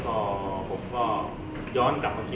มันประกอบกันแต่ว่าอย่างนี้แห่งที่